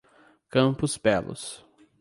Campos Belos